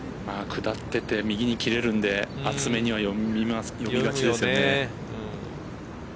下ってて右に切れるんで厚めには読みがちですけどね。